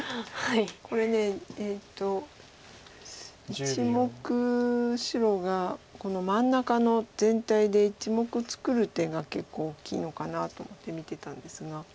これ１目白が真ん中の全体で１目作る手が結構大きいのかなと思って見てたんですが。